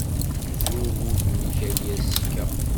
Zur wudem-ik a yir sseka.